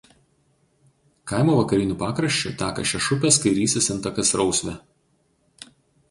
Kaimo vakariniu pakraščiu teka Šešupės kairysis intakas Rausvė.